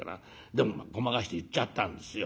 でもごまかして結っちゃったんですよ。